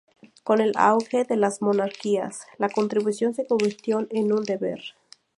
Con el auge de las monarquías, la contribución se convirtió en un deber.